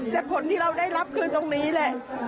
แต่ผลที่เราได้รับคือตรงนี้แหละ